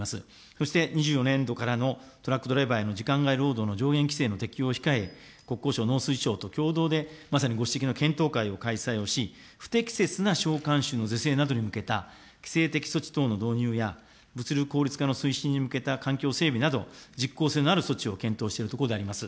そして２４年度からのトラックドライバーへの労働の上限規制の適用を控え、国交省、農水省と共同で、まさにご指摘の検討会を開催をし、不適切なの是正などに向けた規制的措置等の導入や、物流効率化の推進に向けた環境整備など実効性のある措置を検討しているところであります。